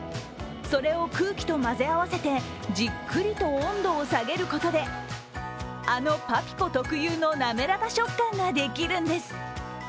それを空気と混ぜ合わせてじっくりと温度を下げることであのパピコ特有のなめらか食感ができるんです。